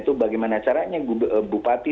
itu bagaimana caranya bupati